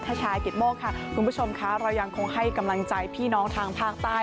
ต้องใช้ไปเลยครับค่ะคุณผู้ชมค่ะเรายังคงค่อยกำลังใจพี่น้องทางภาคใต้